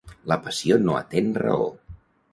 La passió no atén raó.